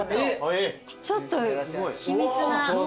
ちょっと秘密な。